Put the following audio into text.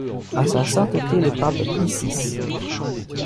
À Sa Sainteté le Pape Pie six.